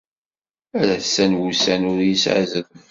Ar assa n wussan ur yesɛi azref.